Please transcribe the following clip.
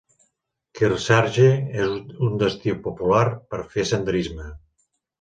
Kearsarge és un destí popular per fer senderisme.